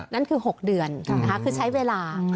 นั่นคือ๖เดือนคือใช้เวลา